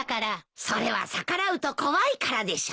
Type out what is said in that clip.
それは逆らうと怖いからでしょ？